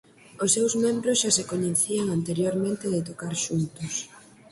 Os seus membros xa se coñecían anteriormente de tocar xuntos.